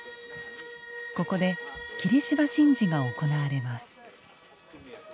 ここで切芝神事が行われます。